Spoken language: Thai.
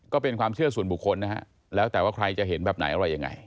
ก็เป็นความเชื่อส่วนบุคคลนะฮะแล้วแต่ว่าใครจะเห็นแบบไหนอะไรยังไง